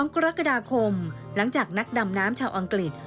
๒กรกฎาคมหลังจากนักดำน้ำชาวอังกฤษ